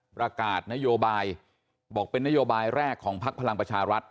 ประกาศนโยบายบอกเป็นนโยบายแรกของพักพลังประชารัฐ